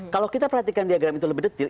kalau kita perhatikan diagram itu lebih detail